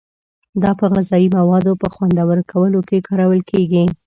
دا په غذایي موادو په خوندور کولو کې کارول کیږي.